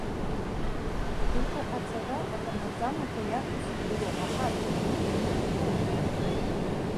Гәдоуҭаҟа ацара акәамаҵамақәа иацу сыздыруам, аха аӡәык-ҩыџьак ицахьоу ыҟоуп рҳәоит.